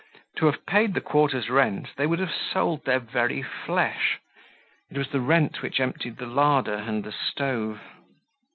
To have paid the quarter's rent they would have sold their very flesh. It was the rent which emptied the larder and the stove.